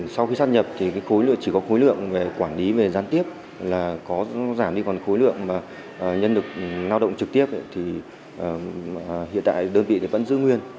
sau khi sắp nhập thì chỉ có khối lượng quản lý về gián tiếp là có giảm đi còn khối lượng mà nhân lực lao động trực tiếp thì hiện tại đơn vị vẫn giữ nguyên